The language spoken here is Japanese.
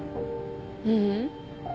ううん。